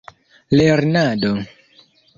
lernado